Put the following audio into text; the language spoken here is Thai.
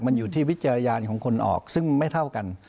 มันอยู่ที่วิจารณญาณของคนออกซึ่งไม่เท่ากัน